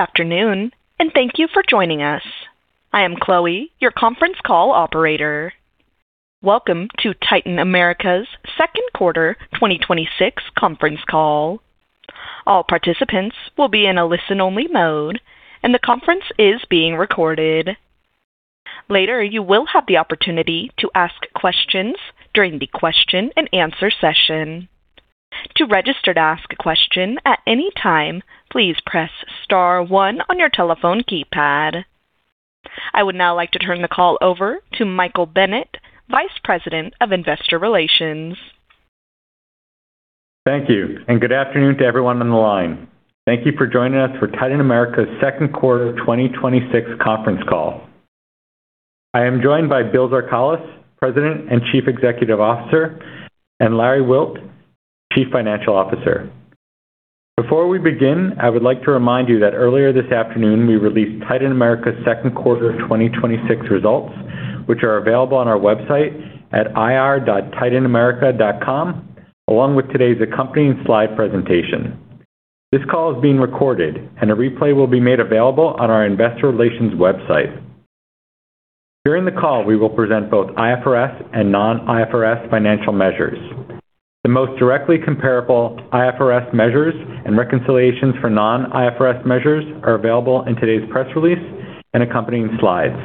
Good afternoon, thank you for joining us. I am Chloe, your conference call operator. Welcome to Titan America's second quarter 2026 conference call. All participants will be in a listen-only mode, the conference is being recorded. Later, you will have the opportunity to ask questions during the question-and-answer session. To register to ask a question at any time, please press star one on your telephone keypad. I would now like to turn the call over to Michael Bennett, Vice President of Investor Relations. Thank you, good afternoon to everyone on the line. Thank you for joining us for Titan America's second quarter 2026 conference call. I am joined by Bill Zarkalis, President and Chief Executive Officer, and Larry Wilt, Chief Financial Officer. Before we begin, I would like to remind you that earlier this afternoon, we released Titan America's second quarter 2026 results, which are available on our website at ir.titanamerica.com, along with today's accompanying slide presentation. This call is being recorded, a replay will be made available on our investor relations website. During the call, we will present both IFRS and non-IFRS financial measures. The most directly comparable IFRS measures and reconciliations for non-IFRS measures are available in today's press release and accompanying slides.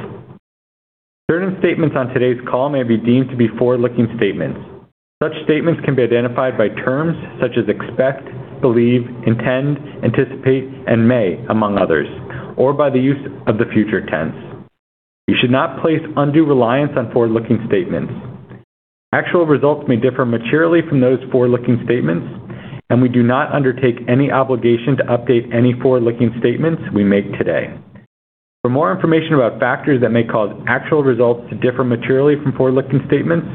Certain statements on today's call may be deemed to be forward-looking statements. Such statements can be identified by terms such as "expect," "believe," "intend," "anticipate," and "may," among others, or by the use of the future tense. You should not place undue reliance on forward-looking statements. Actual results may differ materially from those forward-looking statements, we do not undertake any obligation to update any forward-looking statements we make today. For more information about factors that may cause actual results to differ materially from forward-looking statements,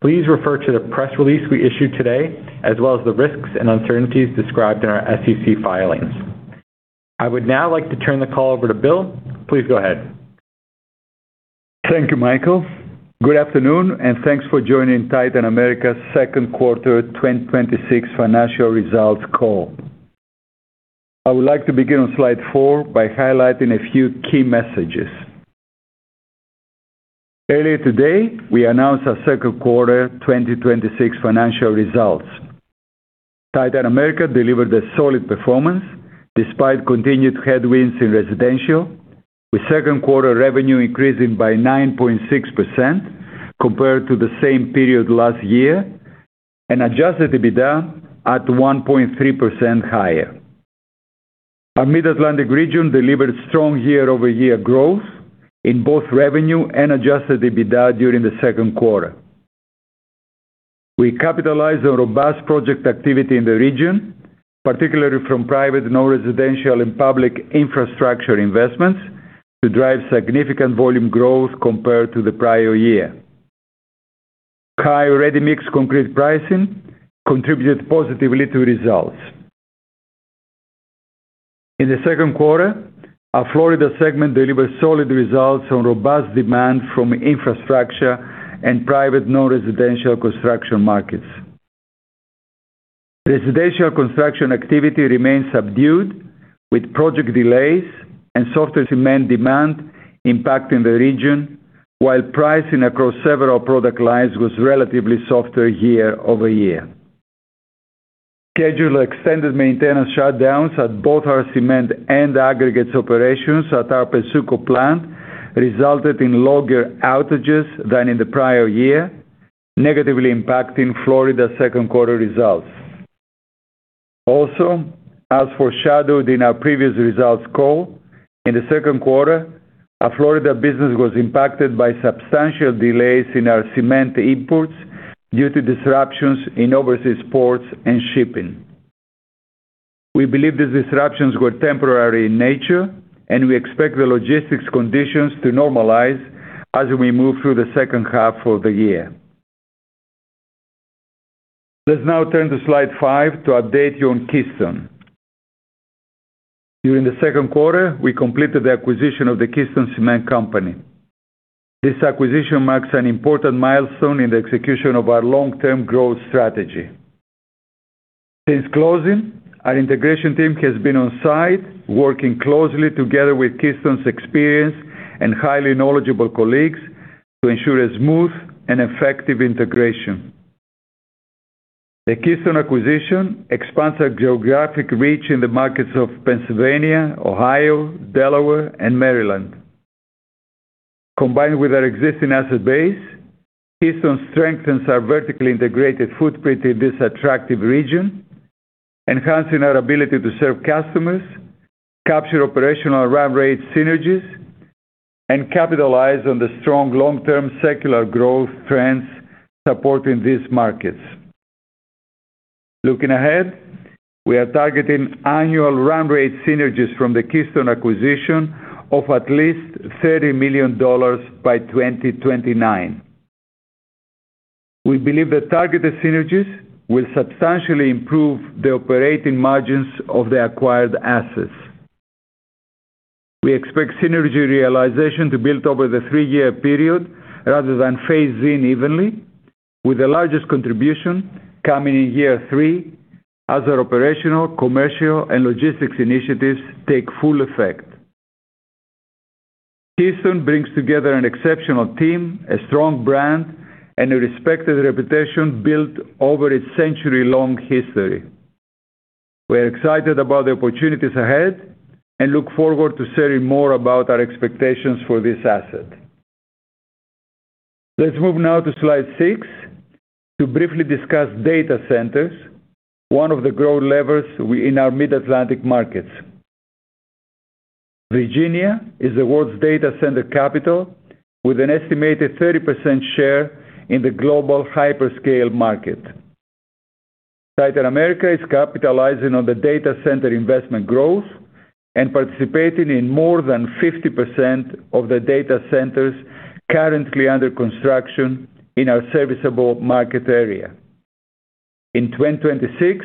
please refer to the press release we issued today, as well as the risks and uncertainties described in our SEC filings. I would now like to turn the call over to Bill. Please go ahead. Thank you, Michael. Good afternoon, thanks for joining Titan America's second quarter 2026 financial results call. I would like to begin on slide four by highlighting a few key messages. Earlier today, we announced our second quarter 2026 financial results. Titan America delivered a solid performance despite continued headwinds in residential, with second quarter revenue increasing by 9.6% compared to the same period last year, adjusted EBITDA at 1.3% higher. Our Mid-Atlantic region delivered strong year-over-year growth in both revenue and adjusted EBITDA during the second quarter. We capitalized on robust project activity in the region, particularly from private non-residential and public infrastructure investments, to drive significant volume growth compared to the prior year. High ready-mix concrete pricing contributed positively to results. In the second quarter, our Florida segment delivered solid results on robust demand from infrastructure and private non-residential construction markets. Residential construction activity remains subdued, with project delays and softer cement demand impacting the region, while pricing across several product lines was relatively softer year-over-year. Scheduled extended maintenance shutdowns at both our cement and aggregates operations at our Pennsuco plant resulted in longer outages than in the prior year, negatively impacting Florida's second quarter results. As foreshadowed in our previous results call, in the second quarter, our Florida business was impacted by substantial delays in our cement imports due to disruptions in overseas ports and shipping. We believe these disruptions were temporary in nature, and we expect the logistics conditions to normalize as we move through the second half of the year. Let's now turn to slide five to update you on Keystone. During the second quarter, we completed the acquisition of the Keystone Cement Company. This acquisition marks an important milestone in the execution of our long-term growth strategy. Since closing, our integration team has been on-site, working closely together with Keystone's experienced and highly knowledgeable colleagues to ensure a smooth and effective integration. The Keystone acquisition expands our geographic reach in the markets of Pennsylvania, Ohio, Delaware, and Maryland. Combined with our existing asset base, Keystone strengthens our vertically integrated footprint in this attractive region, enhancing our ability to serve customers, capture operational run rate synergies, and capitalize on the strong long-term secular growth trends supporting these markets. Looking ahead, we are targeting annual run rate synergies from the Keystone acquisition of at least $30 million by 2029. We believe the targeted synergies will substantially improve the operating margins of the acquired assets. We expect synergy realization to build over the three-year period rather than phase in evenly, with the largest contribution coming in year three as our operational, commercial, and logistics initiatives take full effect. Keystone brings together an exceptional team, a strong brand, and a respected reputation built over its century-long history. We are excited about the opportunities ahead and look forward to sharing more about our expectations for this asset. Let's move now to slide six to briefly discuss data centers, one of the growth levers in our mid-Atlantic markets. Virginia is the world's data center capital, with an estimated 30% share in the global hyperscale market. Titan America is capitalizing on the data center investment growth and participating in more than 50% of the data centers currently under construction in our serviceable market area. In 2026,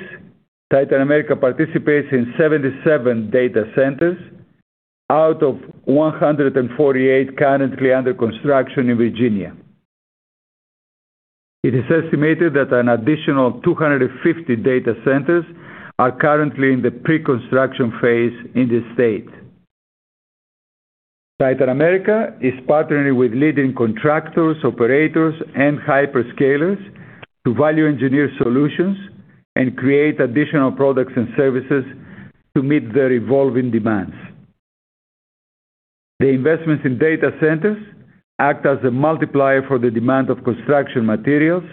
Titan America participates in 77 data centers out of 148 currently under construction in Virginia. It is estimated that an additional 250 data centers are currently in the pre-construction phase in the state. Titan America is partnering with leading contractors, operators, and hyperscalers to value-engineer solutions and create additional products and services to meet their evolving demands. The investments in data centers act as a multiplier for the demand of construction materials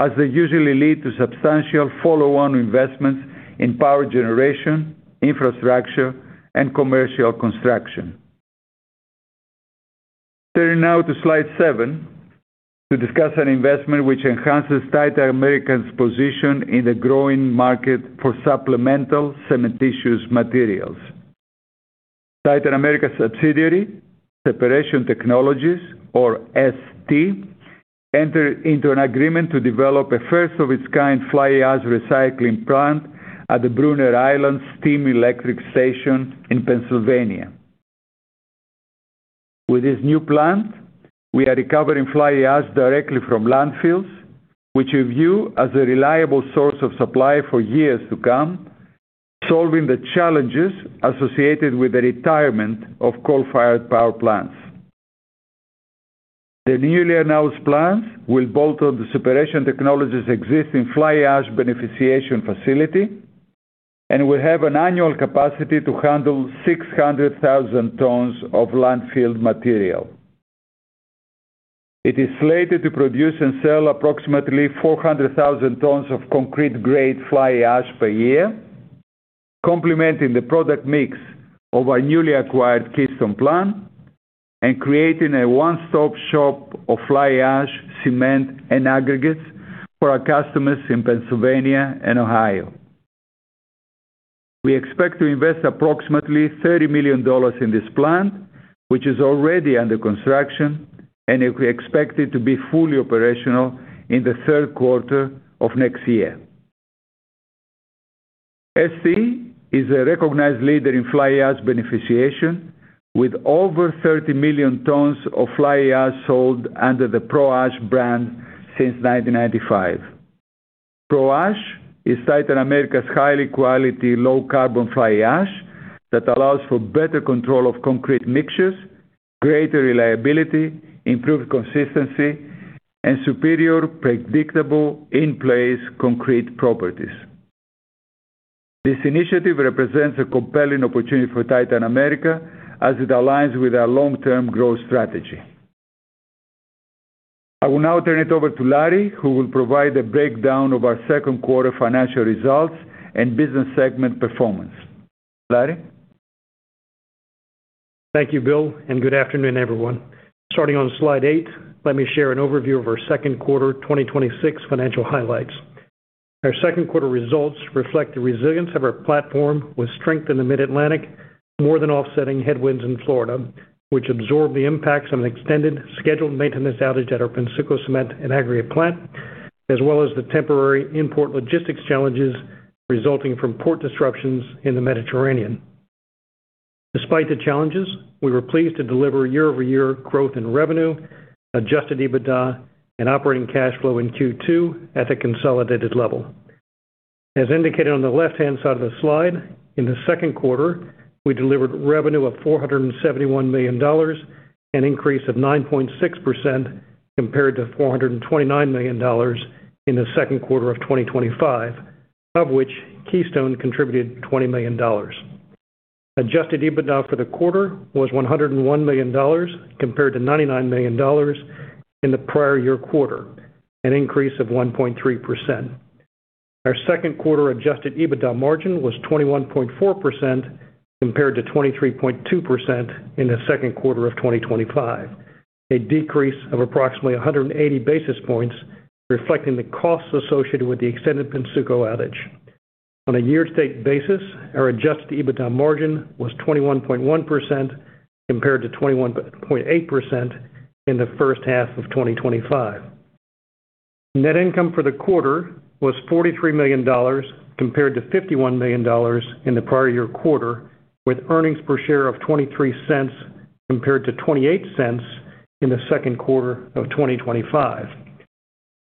as they usually lead to substantial follow-on investments in power generation, infrastructure, and commercial construction. Turning now to slide seven to discuss an investment which enhances Titan America's position in the growing market for supplemental cementitious materials. Titan America subsidiary, Separation Technologies, or ST, entered into an agreement to develop a first-of-its-kind fly ash recycling plant at the Brunner Island Steam Electric Station in Pennsylvania. With this new plant, we are recovering fly ash directly from landfills, which we view as a reliable source of supply for years to come, solving the challenges associated with the retirement of coal-fired power plants. The newly announced plant will build on the Separation Technologies existing fly ash beneficiation facility and will have an annual capacity to handle 600,000 tons of landfill material. It is slated to produce and sell approximately 400,000 tons of concrete-grade fly ash per year, complementing the product mix of our newly acquired Keystone plant and creating a one-stop shop of fly ash, cement, and aggregates for our customers in Pennsylvania and Ohio. We expect to invest approximately $30 million in this plant, which is already under construction, and we expect it to be fully operational in the third quarter of next year. ST is a recognized leader in fly ash beneficiation, with over 30 million tons of fly ash sold under the ProAsh brand since 1995. ProAsh is Titan America's high-quality, low carbon fly ash that allows for better control of concrete mixtures, greater reliability, improved consistency, and superior predictable in-place concrete properties. This initiative represents a compelling opportunity for Titan America as it aligns with our long-term growth strategy. I will now turn it over to Larry, who will provide a breakdown of our second quarter financial results and business segment performance. Larry? Thank you, Bill, and good afternoon, everyone. Starting on slide eight, let me share an overview of our second quarter 2026 financial highlights. Our second quarter results reflect the resilience of our platform with strength in the mid-Atlantic, more than offsetting headwinds in Florida, which absorbed the impacts of an extended scheduled maintenance outage at our Pennsuco Cement and Aggregate plant, as well as the temporary import logistics challenges resulting from port disruptions in the Mediterranean. Despite the challenges, we were pleased to deliver year-over-year growth in revenue, Adjusted EBITDA, and operating cash flow in Q2 at the consolidated level. As indicated on the left-hand side of the slide, in the second quarter, we delivered revenue of $471 million, an increase of 9.6% compared to $429 million in the second quarter of 2025, of which Keystone contributed $20 million. Adjusted EBITDA for the quarter was $101 million compared to $99 million in the prior year quarter, an increase of 1.3%. Our second quarter Adjusted EBITDA margin was 21.4% compared to 23.2% in the second quarter of 2025, a decrease of approximately 180 basis points, reflecting the costs associated with the extended Pennsuco outage. On a year-to-date basis, our Adjusted EBITDA margin was 21.1% compared to 21.8% in the first half of 2025. Net income for the quarter was $43 million compared to $51 million in the prior year quarter, with earnings per share of $0.23 compared to $0.28 in the second quarter of 2025.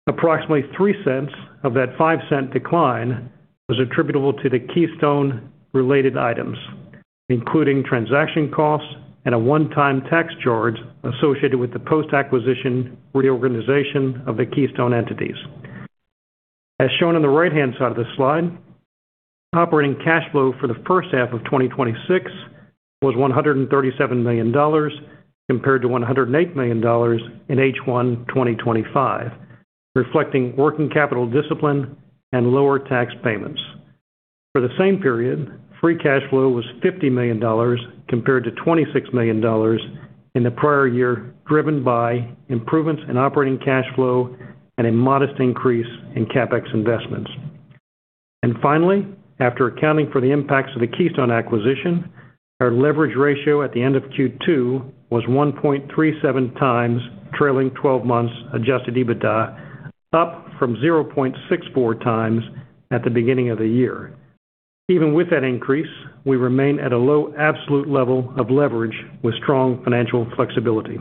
Approximately $0.03 of that $0.05 decline was attributable to the Keystone-related items, including transaction costs and a one-time tax charge associated with the post-acquisition reorganization of the Keystone entities. As shown on the right-hand side of this slide, operating cash flow for the first half of 2026 was $137 million compared to $108 million in H1 2025, reflecting working capital discipline and lower tax payments. For the same period, free cash flow was $50 million compared to $26 million in the prior year, driven by improvements in operating cash flow and a modest increase in CapEx investments. Finally, after accounting for the impacts of the Keystone acquisition, our leverage ratio at the end of Q2 was 1.37x trailing 12 months adjusted EBITDA, up from 0.64x at the beginning of the year. Even with that increase, we remain at a low absolute level of leverage with strong financial flexibility.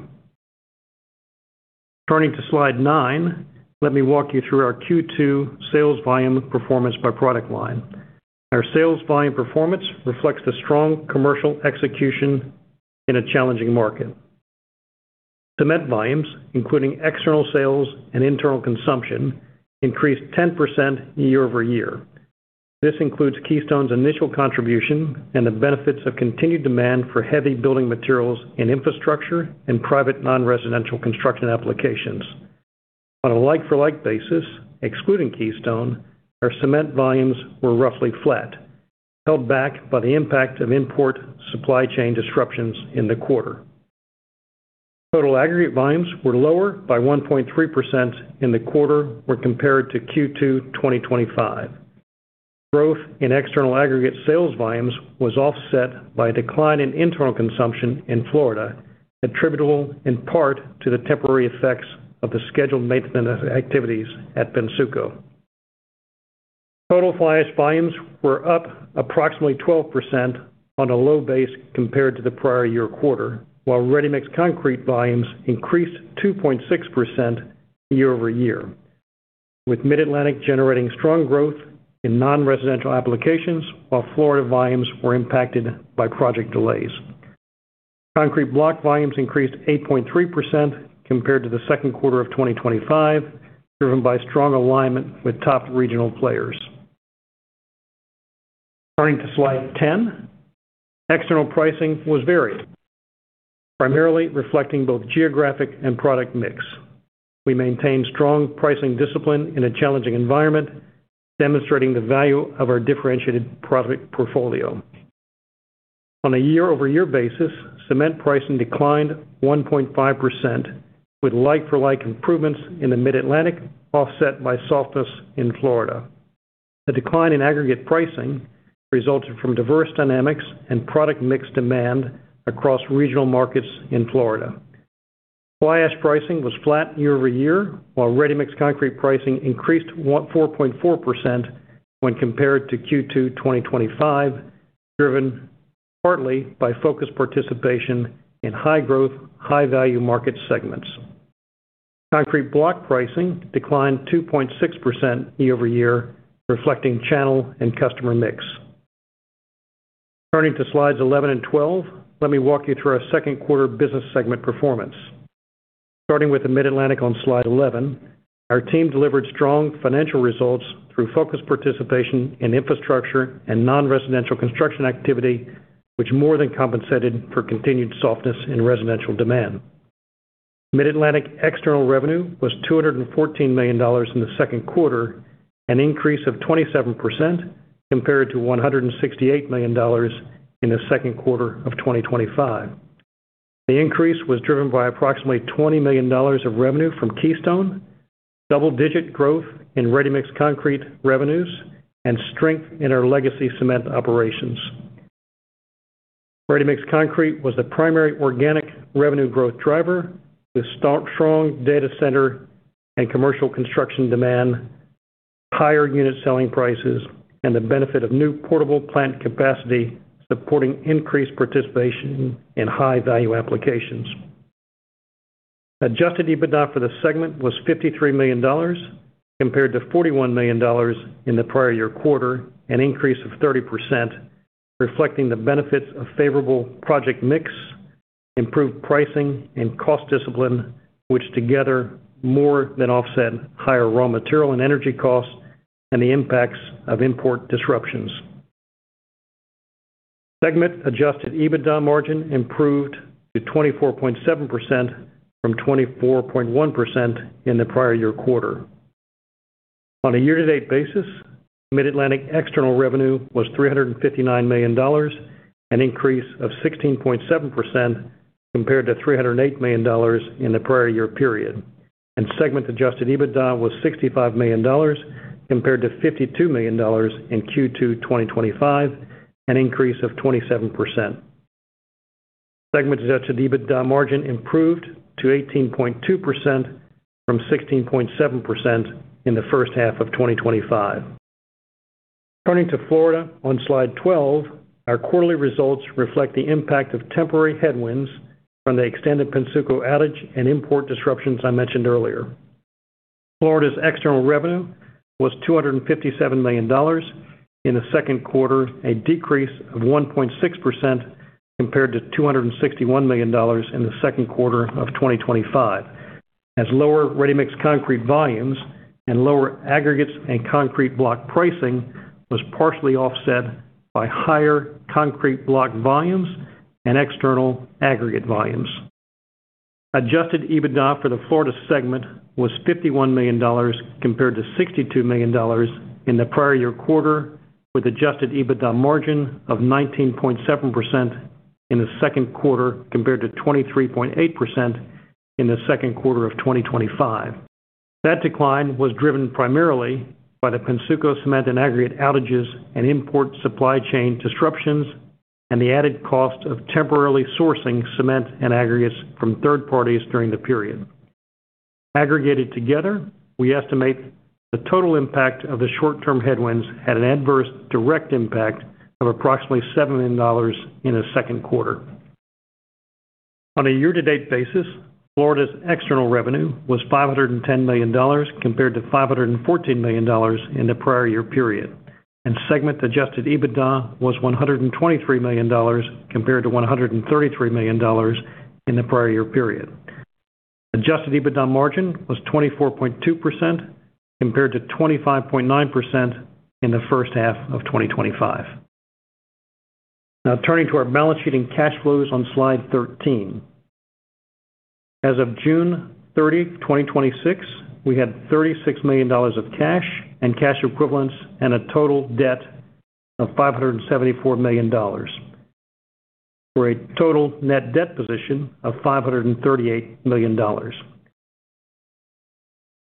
Turning to slide nine, let me walk you through our Q2 sales volume performance by product line. Our sales volume performance reflects the strong commercial execution in a challenging market. Cement volumes, including external sales and internal consumption, increased 10% year-over-year. This includes Keystone's initial contribution and the benefits of continued demand for heavy building materials in infrastructure and private non-residential construction applications. On a like-for-like basis, excluding Keystone, our cement volumes were roughly flat, held back by the impact of import supply chain disruptions in the quarter. Total aggregate volumes were lower by 1.3% in the quarter when compared to Q2 2025. Growth in external aggregate sales volumes was offset by a decline in internal consumption in Florida, attributable in part to the temporary effects of the scheduled maintenance activities at Pennsuco. Total fly ash volumes were up approximately 12% on a low base compared to the prior year quarter, while ready-mix concrete volumes increased 2.6% year-over-year, with Mid-Atlantic generating strong growth in non-residential applications while Florida volumes were impacted by project delays. Concrete block volumes increased 8.3% compared to the second quarter of 2025, driven by strong alignment with top regional players. Turning to slide 10, external pricing was varied, primarily reflecting both geographic and product mix. We maintained strong pricing discipline in a challenging environment, demonstrating the value of our differentiated product portfolio. On a year-over-year basis, cement pricing declined 1.5%, with like-for-like improvements in the Mid-Atlantic offset by softness in Florida. The decline in aggregate pricing resulted from diverse dynamics and product mix demand across regional markets in Florida. Fly ash pricing was flat year-over-year, while ready-mix concrete pricing increased 4.4% when compared to Q2 2025, driven partly by focused participation in high growth, high value market segments. Concrete block pricing declined 2.6% year-over-year, reflecting channel and customer mix. Turning to slides 11 and 12, let me walk you through our second quarter business segment performance. Starting with the Mid-Atlantic on slide 11, our team delivered strong financial results through focused participation in infrastructure and non-residential construction activity, which more than compensated for continued softness in residential demand. Mid-Atlantic external revenue was $214 million in the second quarter, an increase of 27% compared to $168 million in the second quarter of 2025. The increase was driven by approximately $20 million of revenue from Keystone, double-digit growth in ready-mix concrete revenues, and strength in our legacy cement operations. Ready-mix concrete was the primary organic revenue growth driver with strong data center and commercial construction demand, higher unit selling prices, and the benefit of new portable plant capacity supporting increased participation in high-value applications. Adjusted EBITDA for the segment was $53 million compared to $41 million in the prior year quarter, an increase of 30%, reflecting the benefits of favorable project mix, improved pricing, and cost discipline, which together more than offset higher raw material and energy costs and the impacts of import disruptions. Segment adjusted EBITDA margin improved to 24.7% from 24.1% in the prior year quarter. On a year-to-date basis, Mid-Atlantic external revenue was $359 million, an increase of 16.7% compared to $308 million in the prior year period, and segment adjusted EBITDA was $65 million compared to $52 million in Q2 2025, an increase of 27%. Segmented adjusted EBITDA margin improved to 18.2% from 16.7% in the first half of 2025. Turning to Florida on Slide 12, our quarterly results reflect the impact of temporary headwinds from the extended Pennsuco outage and import disruptions I mentioned earlier. Florida's external revenue was $257 million in the second quarter, a decrease of 1.6% compared to $261 million in the second quarter of 2025, as lower ready-mix concrete volumes and lower aggregates and concrete block pricing was partially offset by higher concrete block volumes and external aggregate volumes. Adjusted EBITDA for the Florida segment was $51 million compared to $62 million in the prior year quarter, with adjusted EBITDA margin of 19.7% in the second quarter compared to 23.8% in the second quarter of 2025. That decline was driven primarily by the Pennsuco cement and aggregate outages and import supply chain disruptions, and the added cost of temporarily sourcing cement and aggregates from third parties during the period. Aggregated together, we estimate the total impact of the short-term headwinds had an adverse direct impact of approximately $7 million in the second quarter. On a year-to-date basis, Florida's external revenue was $510 million compared to $514 million in the prior year period, and segment adjusted EBITDA was $123 million compared to $133 million in the prior year period. Adjusted EBITDA margin was 24.2% compared to 25.9% in the first half of 2025. Now turning to our balance sheet and cash flows on Slide 13. As of June 30, 2026, we had $36 million of cash and cash equivalents and a total debt of $574 million, for a total net debt position of $538 million.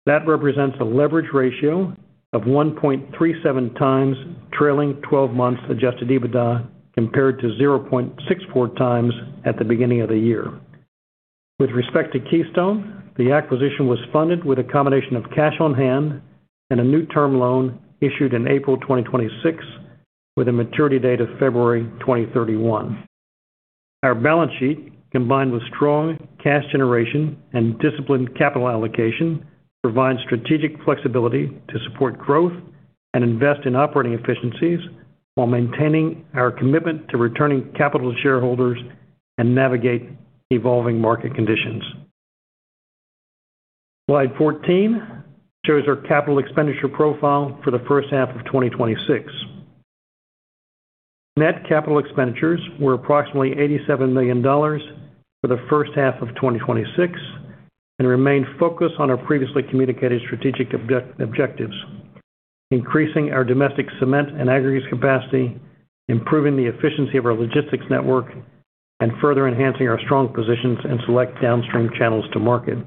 That represents a leverage ratio of 1.37x trailing 12 months adjusted EBITDA compared to 0.64x at the beginning of the year. With respect to Keystone, the acquisition was funded with a combination of cash on hand and a new term loan issued in April 2026 with a maturity date of February 2031. Our balance sheet, combined with strong cash generation and disciplined capital allocation, provides strategic flexibility to support growth and invest in operating efficiencies while maintaining our commitment to returning capital to shareholders and navigate evolving market conditions. Slide 14 shows our capital expenditure profile for the first half of 2026. Net capital expenditures were approximately $87 million for the first half of 2026 and remain focused on our previously communicated strategic objectives. Increasing our domestic cement and aggregates capacity, improving the efficiency of our logistics network, and further enhancing our strong positions in select downstream channels to market.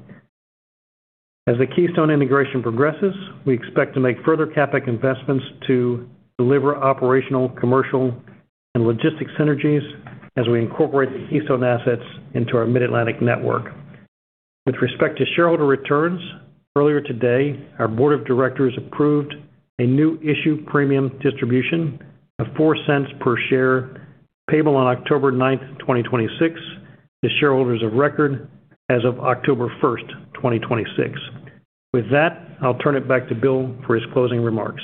As the Keystone integration progresses, we expect to make further CapEx investments to deliver operational, commercial, and logistics synergies as we incorporate the Keystone assets into our Mid-Atlantic network. With respect to shareholder returns, earlier today, our board of directors approved a new issue premium distribution of $0.04 per share, payable on October 9th, 2026, to shareholders of record as of October 1st, 2026. With that, I'll turn it back to Bill for his closing remarks.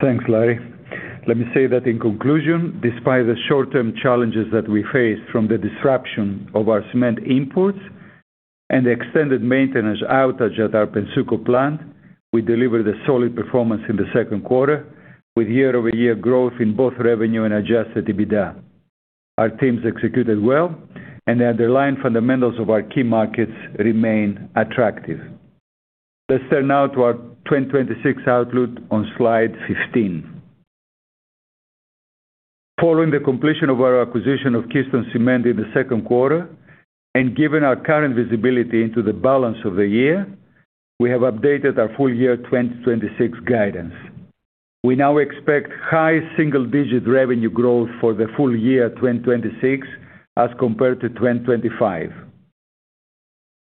Thanks, Larry. Let me say that in conclusion, despite the short-term challenges that we faced from the disruption of our cement imports and the extended maintenance outage at our Pennsuco plant, we delivered a solid performance in the second quarter with year-over-year growth in both revenue and adjusted EBITDA. Our teams executed well, and the underlying fundamentals of our key markets remain attractive. Let's turn now to our 2026 outlook on Slide 15. Following the completion of our acquisition of Keystone Cement in the second quarter, and given our current visibility into the balance of the year, we have updated our full year 2026 guidance. We now expect high single-digit revenue growth for the full year 2026 as compared to 2025.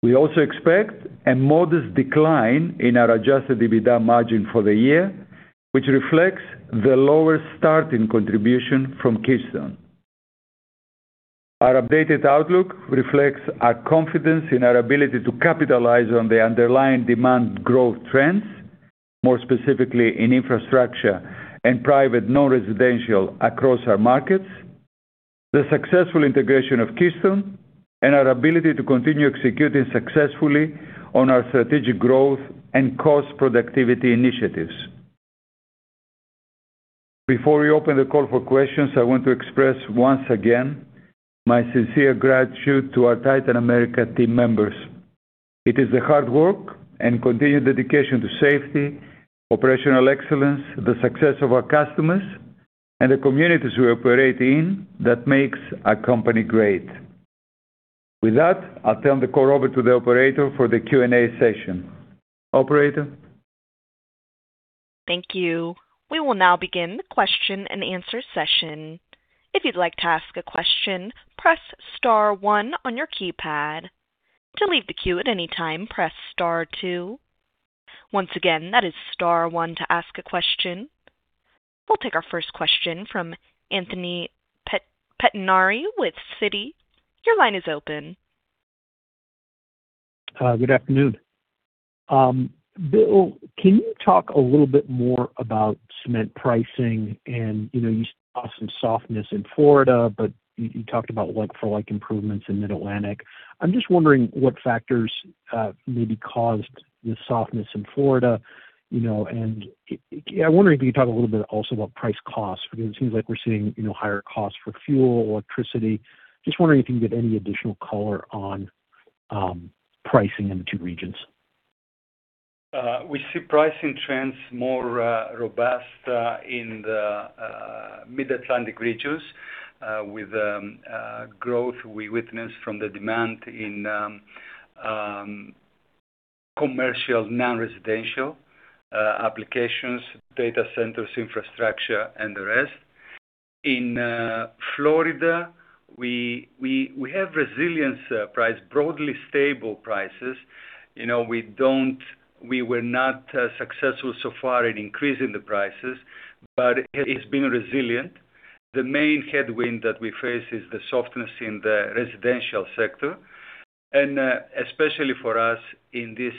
We also expect a modest decline in our adjusted EBITDA margin for the year, which reflects the lower starting contribution from Keystone. Our updated outlook reflects our confidence in our ability to capitalize on the underlying demand growth trends, more specifically in infrastructure and private non-residential across our markets, the successful integration of Keystone, and our ability to continue executing successfully on our strategic growth and cost productivity initiatives. Before we open the call for questions, I want to express once again my sincere gratitude to our Titan America team members. It is the hard work and continued dedication to safety, operational excellence, the success of our customers, and the communities we operate in that makes our company great. With that, I'll turn the call over to the operator for the Q&A session. Operator? Thank you. We will now begin the question-and-answer session. If you'd like to ask a question, press star one on your keypad. To leave the queue at any time, press star two. Once again, that is star one to ask a question. We'll take our first question from Anthony Pettinari with Citi. Your line is open. Good afternoon. Bill, can you talk a little bit more about cement pricing? You saw some softness in Florida, but you talked about like-for-like improvements in Mid-Atlantic. I'm just wondering what factors maybe caused the softness in Florida. I wonder if you could talk a little bit also about price costs, because it seems like we're seeing higher costs for fuel, electricity. Just wondering if you can give any additional color on pricing in the two regions. We see pricing trends more robust in the Mid-Atlantic regions, with growth we witnessed from the demand in commercial non-residential applications, data centers, infrastructure, and the rest. In Florida, we have resilience price, broadly stable prices. We were not successful so far in increasing the prices, but it's been resilient. The main headwind that we face is the softness in the residential sector, especially for us in this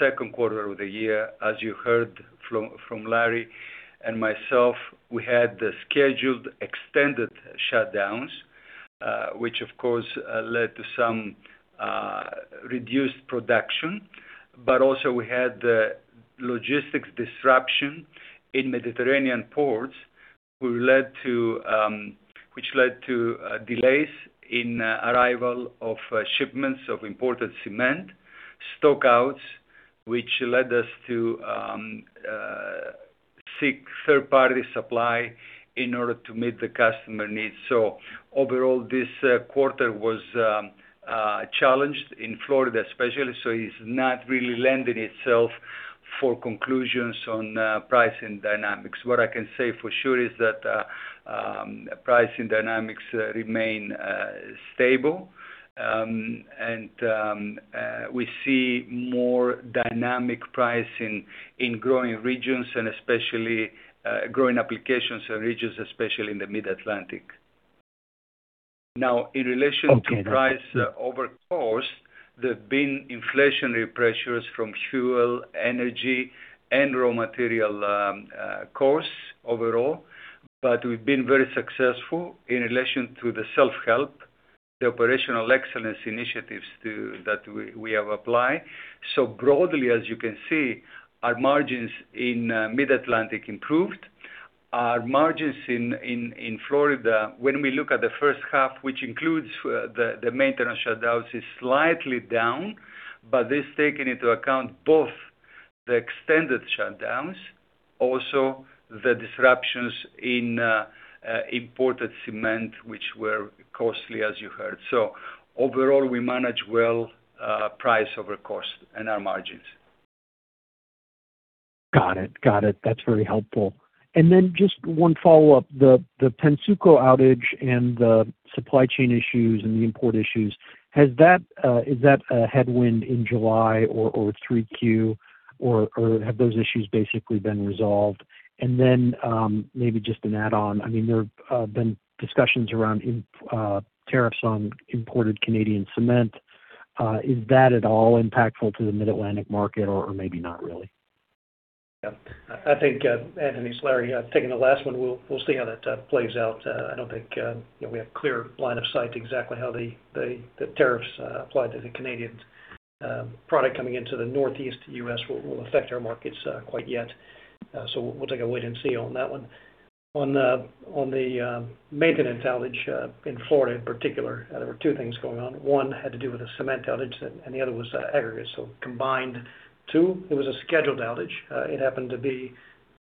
second quarter of the year, as you heard from Larry and myself, we had the scheduled extended shutdowns, which of course, led to some reduced production. Also, we had the logistics disruption in Mediterranean ports, which led to delays in arrival of shipments of imported cement, stock-outs, which led us to seek third-party supply in order to meet the customer needs. Overall, this quarter was a challenge in Florida especially, so it's not really lending itself for conclusions on pricing dynamics. What I can say for sure is that pricing dynamics remain stable. We see more dynamic pricing in growing regions and especially growing applications and regions, especially in the Mid-Atlantic. Now, in relation to price over cost, there have been inflationary pressures from fuel, energy, and raw material costs overall. We've been very successful in relation to the self-help, the operational excellence initiatives that we have applied. Broadly, as you can see, our margins in Mid-Atlantic improved. Our margins in Florida, when we look at the first half, which includes the maintenance shutdowns, is slightly down. This taking into account both the extended shutdowns, also the disruptions in imported cement, which were costly, as you heard. Overall, we manage well price over cost and our margins. Got it. That's very helpful. Just one follow-up. The Pennsuco outage and the supply chain issues and the import issues, is that a headwind in July or 3Q or have those issues basically been resolved? Maybe just an add-on. There have been discussions around tariffs on imported Canadian cement. Is that at all impactful to the Mid-Atlantic market or maybe not really? Yeah. I think, Anthony, it's Larry, taking the last one, we'll see how that plays out. I don't think we have clear line of sight exactly how the tariffs applied to the Canadian product coming into the Northeast U.S. will affect our markets quite yet. We'll take a wait and see on that one. On the maintenance outage in Florida in particular, there were two things going on. One had to do with a cement outage and the other was aggregate. Combined two, it was a scheduled outage. It happened to be,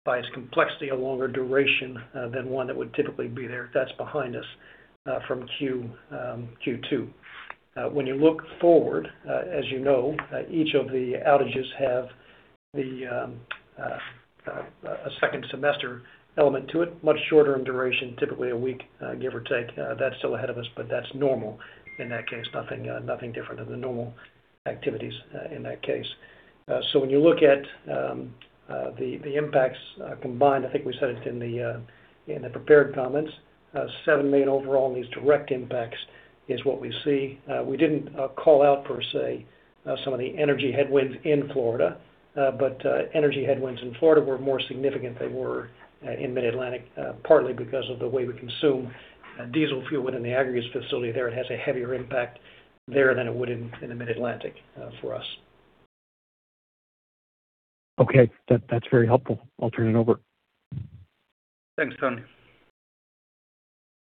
by its complexity, a longer duration than one that would typically be there. That's behind us from Q2. When you look forward, as you know, each of the outages have a second semester element to it, much shorter in duration, typically a week, give or take. That's still ahead of us, but that's normal in that case. Nothing different than the normal activities in that case. When you look at the impacts combined, I think we said it in the prepared comments, $7 million overall in these direct impacts is what we see. We didn't call out, per se, some of the energy headwinds in Florida, but energy headwinds in Florida were more significant than they were in Mid-Atlantic, partly because of the way we consume diesel fuel within the aggregates facility there. It has a heavier impact there than it would in the Mid-Atlantic for us. Okay. That's very helpful. I'll turn it over. Thanks, Tony.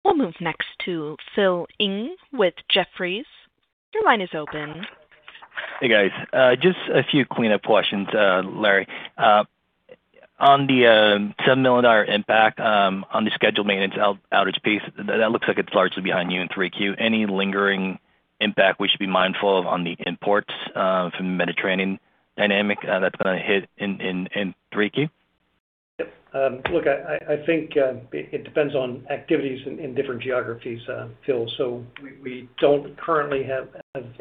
We'll move next to Phil Ng with Jefferies. Your line is open. Hey, guys. Just a few cleanup questions, Larry. On the $7 million impact on the scheduled maintenance outage piece. That looks like it's largely behind you in 3Q. Any lingering impact we should be mindful of on the imports, from the Mediterranean dynamic that's been a hit in 3Q? Yep. Look, I think it depends on activities in different geographies, Phil. We don't currently have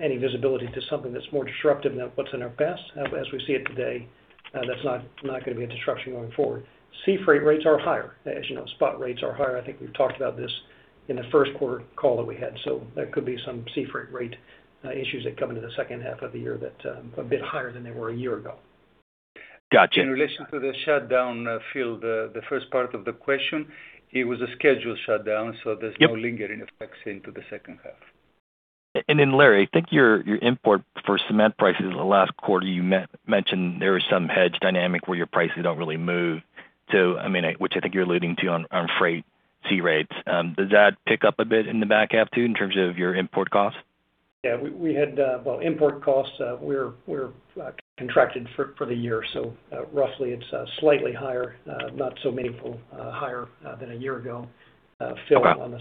any visibility to something that's more disruptive than what's in our past. As we see it today, that's not going to be a disruption going forward. Sea freight rates are higher. As you know, spot rates are higher. I think we've talked about this in the first quarter call that we had, there could be some sea freight rate issues that come into the second half of the year that a bit higher than they were a year ago. Got you. In relation to the shutdown, Phil, the first part of the question, it was a scheduled shutdown, so there's no lingering effects into the second half. Larry, I think your import for cement prices the last quarter, you mentioned there was some hedge dynamic where your prices don't really move. So, which I think you're alluding to on freight sea rates. Does that pick up a bit in the back half too, in terms of your import costs? Yeah. Import costs, we're contracted for the year, so roughly it's slightly higher, not so meaningful higher than a year ago, Phil, on the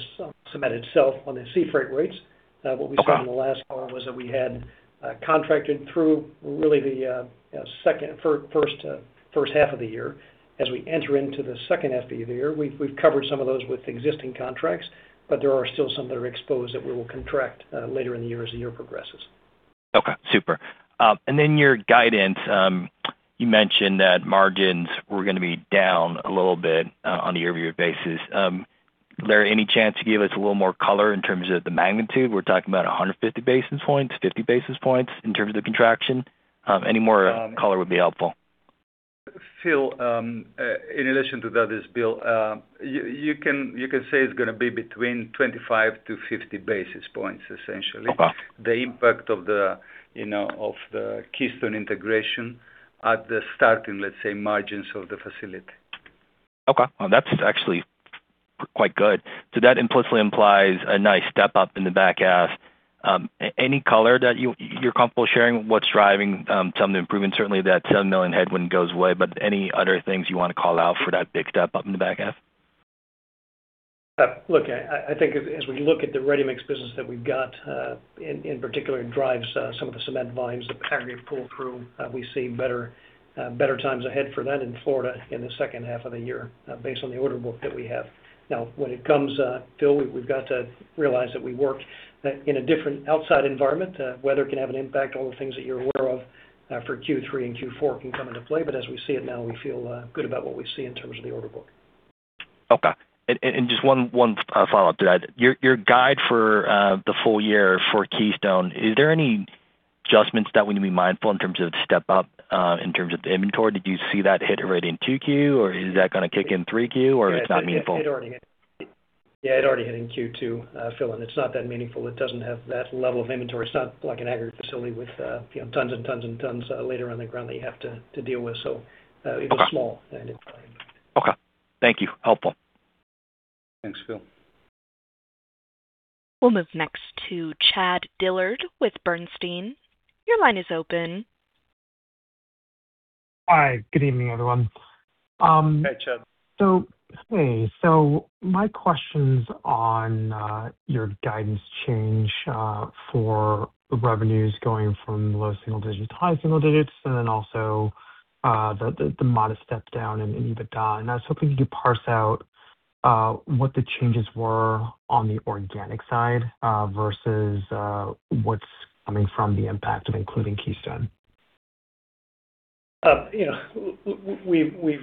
cement itself. On the sea freight rates, what we said on the last call was that we had contracted through really the first half of the year. As we enter into the second half of the year, we've covered some of those with existing contracts, but there are still some that are exposed that we will contract later in the year as the year progresses. Okay, super. Your guidance, you mentioned that margins were going to be down a little bit on a year-over-year basis. Larry, any chance you could give us a little more color in terms of the magnitude? We're talking about 150 basis points, 50 basis points in terms of the contraction. Any more color would be helpful. Phil, in addition to that, it's Bill. You can say it's going to be between 25-50 basis points, essentially. Okay. The impact of the Keystone integration at the starting, let's say, margins of the facility. Okay. Well, that's actually quite good. That implicitly implies a nice step up in the back half. Any color that you're comfortable sharing, what's driving some of the improvement? Certainly that $10 million headwind goes away, any other things you want to call out for that big step up in the back half? Look, I think as we look at the ready-mix business that we've got, in particular, it drives some of the cement volumes, the aggregate pull through. We see better times ahead for that in Florida in the second half of the year, based on the order book that we have now. When it comes, Phil, we've got to realize that we work in a different outside environment. Weather can have an impact. All the things that you're aware of for Q3 and Q4 can come into play, but as we see it now, we feel good about what we see in terms of the order book. Okay. Just one follow-up to that. Your guide for the full year for Keystone, are there any adjustments that we need to be mindful in terms of the step up, in terms of the inventory? Did you see that hit already in 2Q, or is that going to kick in 3Q, or it's not meaningful? Yeah, it already hit in Q2, Phil. It's not that meaningful. It doesn't have that level of inventory. It's not like an aggregate facility with tons and tons and tons laying around the ground that you have to deal with. It was small. Okay. Thank you. Helpful. Thanks, Phil. We'll move next to Chad Dillard with Bernstein. Your line is open. Hi. Good evening, everyone. Hi, Chad. My questions on your guidance change for revenues going from low single-digit to high single-digits, and then also, the modest step down in EBITDA. I was hoping you could parse out what the changes were on the organic side, versus, what's coming from the impact of including Keystone. We've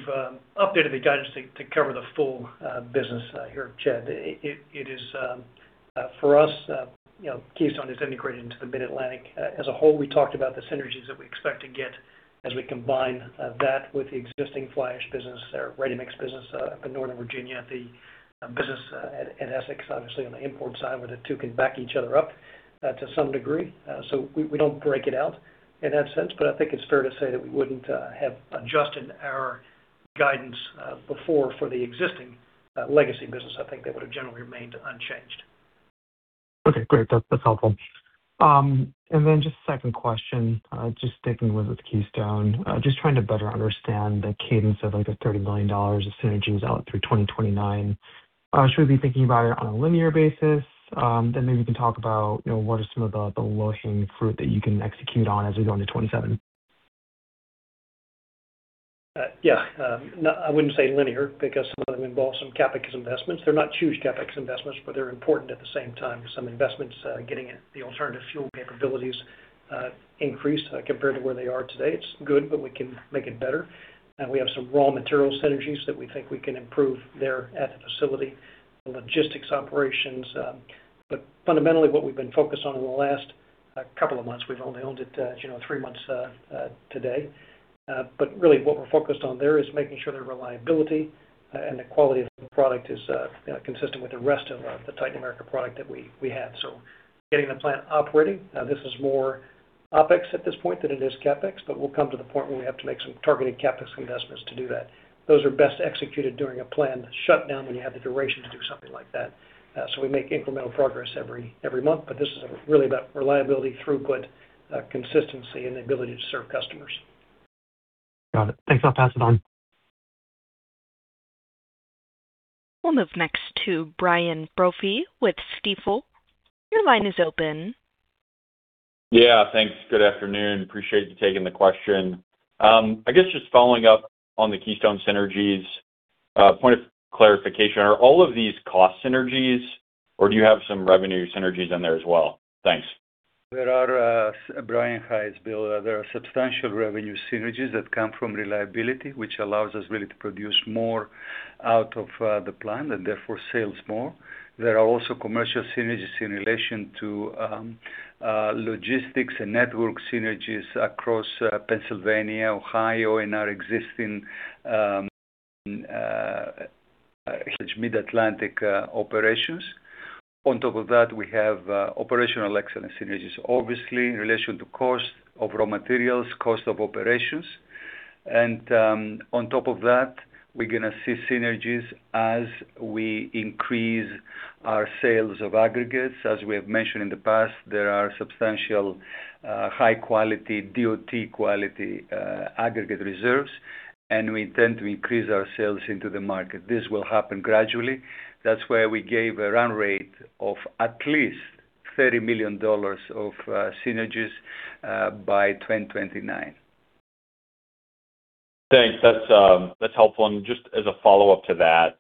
updated the guidance to cover the full business here, Chad. For us, Keystone is integrated into the Mid-Atlantic. As a whole, we talked about the synergies that we expect to get as we combine that with the existing fly ash business, their ready-mix business up in Northern Virginia, the business at Essex, obviously on the import side, where the two can back each other up, to some degree. We don't break it out in that sense, but I think it's fair to say that we wouldn't have adjusted our guidance before for the existing legacy business. I think that would've generally remained unchanged. Okay, great. That's helpful. Second question, just sticking with Keystone. Just trying to better understand the cadence of the $30 million of synergies out through 2029. Should we be thinking about it on a linear basis? Maybe you can talk about what are some of the low-hanging fruit that you can execute on as we go into 2027. I wouldn't say linear, because some of them involve some CapEx investments. They're not huge CapEx investments, but they're important at the same time. Some investments, getting the alternative fuel capabilities increased compared to where they are today. It's good, but we can make it better. We have some raw material synergies that we think we can improve there at the facility, the logistics operations. Fundamentally, what we've been focused on in the last couple of months, we've only owned it, as you know, three months today. Really what we're focused on there is making sure their reliability and the quality of the product is consistent with the rest of the Titan America product that we have. Getting the plant operating, this is more OpEx at this point than it is CapEx, but we'll come to the point where we have to make some targeted CapEx investments to do that. Those are best executed during a planned shutdown when you have the duration to do something like that. We make incremental progress every month, but this is really about reliability, throughput, consistency, and the ability to serve customers. Got it. Thanks a lot. Pass it on. We'll move next to Brian Brophy with Stifel. Your line is open. Yeah, thanks. Good afternoon. Appreciate you taking the question. I guess just following up on the Keystone synergies, point of clarification, are all of these cost synergies, or do you have some revenue synergies in there as well? Thanks. Brian, hi, it's Bill. There are substantial revenue synergies that come from reliability, which allows us really to produce more out of the plant and therefore sell more. There are also commercial synergies in relation to logistics and network synergies across Pennsylvania, Ohio, and our existing huge Mid-Atlantic operations. On top of that, we have operational excellence synergies, obviously in relation to cost of raw materials, cost of operations. On top of that, we're going to see synergies as we increase our sales of aggregates. As we have mentioned in the past, there are substantial high-quality DOT quality aggregate reserves, and we intend to increase our sales into the market. This will happen gradually. That's why we gave a run rate of at least $30 million of synergies by 2029. Thanks. That's helpful. Just as a follow-up to that,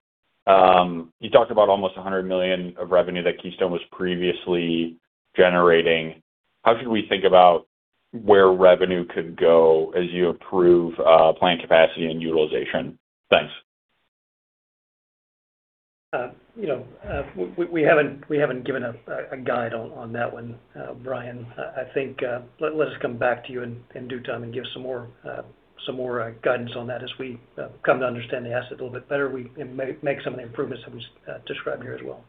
you talked about almost $100 million of revenue that Keystone was previously generating. How should we think about where revenue could go as you improve plant capacity and utilization? Thanks. We haven't given a guide on that one, Brian. I think let us come back to you in due time and give some more guidance on that as we come to understand the asset a little bit better and make some of the improvements that we described here as well.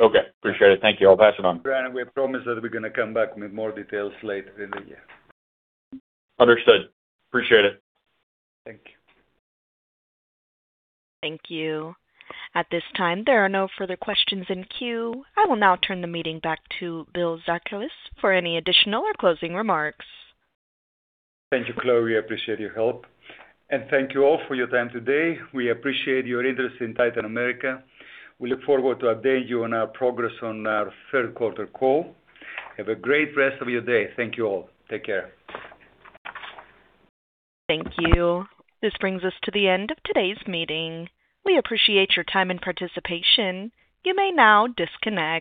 Okay, appreciate it. Thank you. I'll pass it on. Brian, we promise that we're going to come back with more details later in the year. Understood. Appreciate it. Thank you. Thank you. At this time, there are no further questions in queue. I will now turn the meeting back to Bill Zarkalis for any additional or closing remarks. Thank you, Chloe. I appreciate your help. Thank you all for your time today. We appreciate your interest in Titan America. We look forward to updating you on our progress on our third quarter call. Have a great rest of your day. Thank you all. Take care. Thank you. This brings us to the end of today's meeting. We appreciate your time and participation. You may now disconnect.